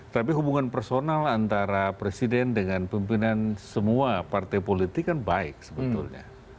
tapi hubungan personal antara presiden dengan pimpinan semua partai politik kan baik sebetulnya